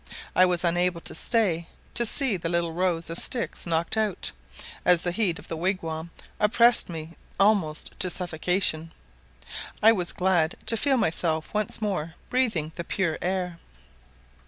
I was unable to stay to see the little rows of sticks knocked out, as the heat of the wigwam oppressed me almost to suffocation, and I was glad to feel myself once more breathing the pure air.